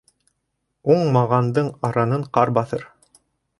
Уңмағандың аранын ҡар баҫыр.